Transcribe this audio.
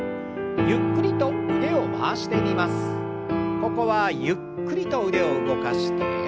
ここはゆっくりと腕を動かして。